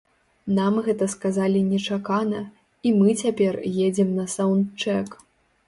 Нам гэта сказалі нечакана і мы цяпер едзем на саўндчэк.